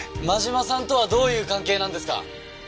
真嶋さんとはどういう関係なんですか？